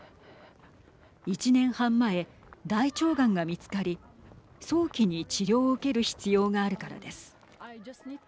１年半前大腸がんが見つかり早期に治療を受ける必要があるからです。